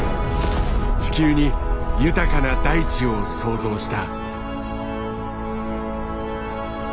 地球に豊かな大地を創造した。